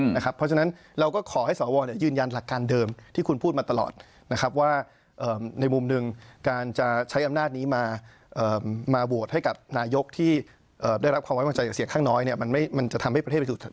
เพราะฉะนั้นเราก็ขอให้สวยืนยันหลักการเดิมที่คุณพูดมาตลอดนะครับว่าในมุมหนึ่งการจะใช้อำนาจนี้มาโหวตให้กับนายกที่ได้รับความไว้วางใจจากเสียงข้างน้อยมันจะทำให้ประเทศไปสู่